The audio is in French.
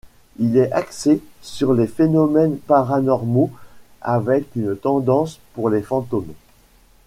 Il est axé sur les phénomènes paranormaux avec une tendance pour les fantômes.